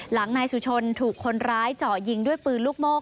นายสุชนถูกคนร้ายเจาะยิงด้วยปืนลูกโมก